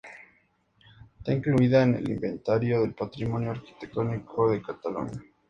Está incluida en el inventario del Patrimonio Arquitectónico de Cataluña.